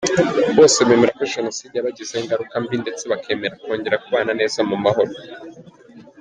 Bose bemera ko Jenoside yabagizeho ingaruka mbi ndetse bakemera kongera kubana neza mu mahoro.